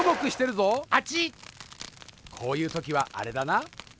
こういうときはあれだな。